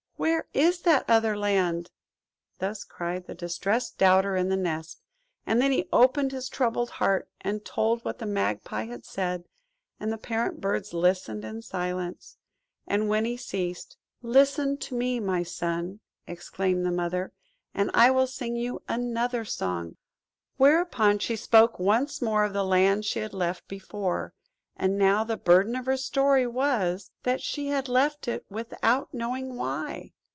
Where is that other Land?" Thus cried the distressed doubter in the nest. And then he opened his troubled heart, and told what the Magpie had said, and the parent birds listened in silence, and when he ceased– "Listen to me, my son," exclaimed the Mother, "and I will sing you another song." Whereupon she spoke once more of the land she had left before; but now the burden of her story was, that she had left it without knowing why.